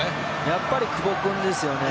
やっぱり久保君ですよね。